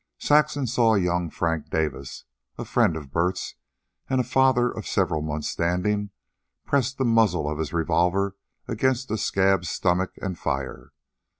Saxon saw young Frank Davis, a friend of Bert's and a father of several months' standing, press the muzzle of his revolver against a scab's stomach and fire.